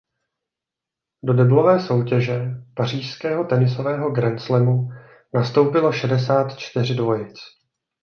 Do deblové soutěže pařížského tenisového grandslamu nastoupilo šedesát čtyři dvojic.